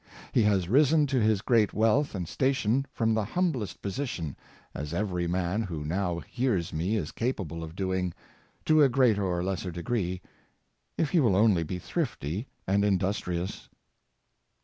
He has risen to his great wealth and station from the humblest posi tion, as every man who now hears me is capable of do ing, to a greater or less degree, if he will only be thrifty and industrious.""